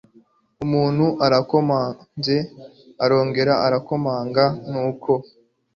umuntu arakomanze arongera arakomanga nuko